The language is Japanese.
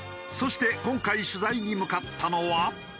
そして今回取材に向かったのは。